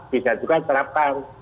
bisa juga diterapkan